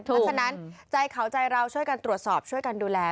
เพราะฉะนั้นใจเขาใจเราช่วยกันตรวจสอบช่วยกันดูแล